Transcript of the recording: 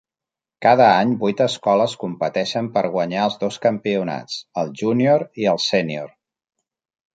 Cada any, vuit escoles competeixen per guanyar els dos campionats: el júnior i el sénior.